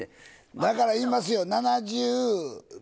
だから言いますよ。